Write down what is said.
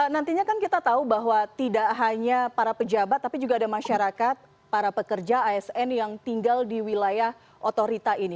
nantinya kan kita tahu bahwa tidak hanya para pejabat tapi juga ada masyarakat para pekerja asn yang tinggal di wilayah otorita ini